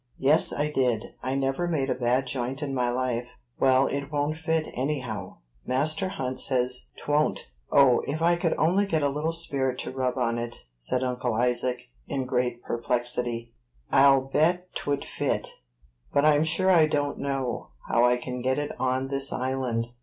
"Yes, I did. I never made a bad joint in my life." "Well, it won't fit, anyhow. Master Hunt says 'twont." "O, if I could only get a little spirit to rub on it," said Uncle Isaac, in great perplexity, "I'll bet 'twould fit; but I'm sure I don't know how I can get it on this island."